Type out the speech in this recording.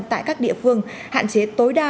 tại các địa phương hạn chế tối đa